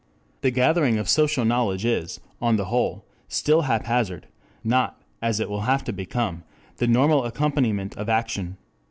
The gathering of social knowledge is, on the whole, still haphazard; not, as it will have to become, the normal accompaniment of action.